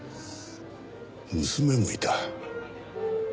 娘もいた。